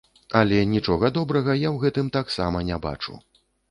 Але нічога добрага я ў гэтым таксама не бачу.